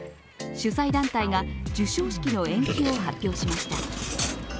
主催団体が授賞式の延期を発表しました。